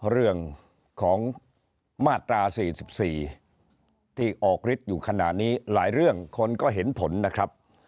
เรื่องของมาตรา๔๔ที่ออกฤทธิ์อยู่ขณะนี้หลายเรื่องคนก็เห็นผลนะครับ